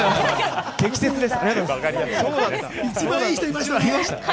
適切です！